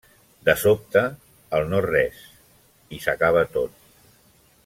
De sobte, el no-res; i s’acaba tot.